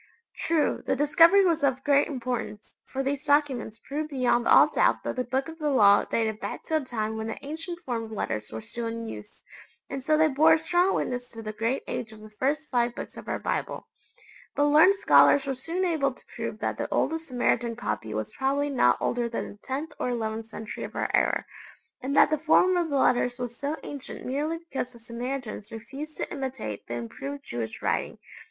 True, the discovery was of great importance, for these documents proved beyond all doubt that the Book of the Law dated back to a time when the ancient form of letters were still in use, and so they bore a strong witness to the great age of the first five Books of our Bible. But learned scholars were soon able to prove that the oldest Samaritan copy was probably not older than the tenth or eleventh century of our era, and that the form of the letters was so ancient merely because the Samaritans refused to imitate the improved Jewish writing.